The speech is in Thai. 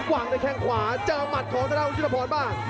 วางด้วยแค่งขวาเจอหมัดของตระดาษของยุทธพรบ้าง